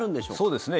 そうですね。